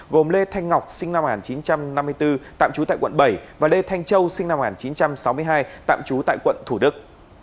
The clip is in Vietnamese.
gồm lê thanh ngọc sinh năm một nghìn chín trăm năm mươi bốn tạm trú tại quận bảy và lê thanh châu sinh năm một nghìn chín trăm sáu mươi hai tạm trú tại quận thủ đức